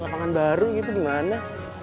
lapangan baru gitu gimana